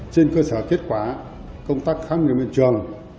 trên cơ sở kết quả công tác khám nghiệm hiện trường